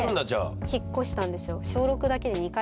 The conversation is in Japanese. それで引っ越したんですよ。